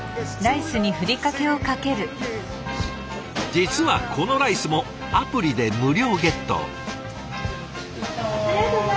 実はこのライスもアプリで無料ゲット。